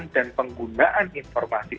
dan penggunaan informasi